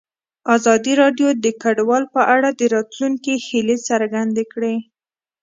ازادي راډیو د کډوال په اړه د راتلونکي هیلې څرګندې کړې.